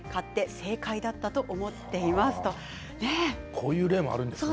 こういう例もあるんですね。